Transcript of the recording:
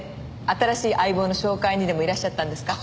新しい相棒の紹介にでもいらっしゃったんですか？